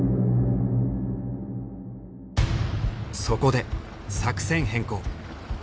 そこで作戦変更。